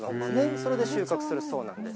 それで収穫するそうなんです。